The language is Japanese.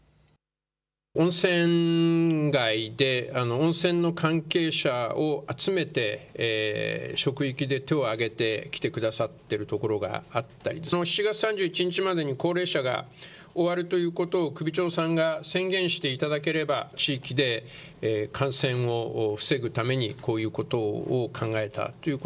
温泉街で温泉の関係者を集めて職域接種を手を挙げてきてくださってるところがあったりして７月３１日までに高齢者が終わることを宣言していただければ、感染を防ぐためにということを考えた。